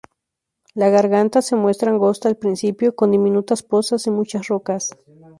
La Garganta se muestra angosta al principio, con diminutas pozas y mucha rocas.